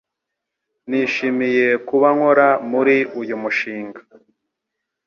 Nishimiye kuba nkora muri uyu mushinga.